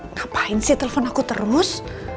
ngapain sih telepon aku terus